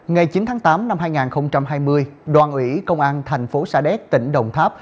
ngày chín tháng tám năm hai nghìn hai mươi đoàn ủy công an thành phố sa đéc tỉnh đồng tháp